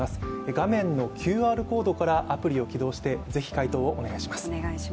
画面のＱＲコードからアプリを起動してぜひ回答をお願いします。